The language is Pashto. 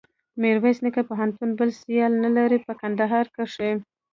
میرویس نیکه پوهنتون بل سیال نلري په کندهار کښي.